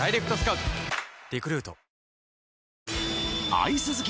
アイス好き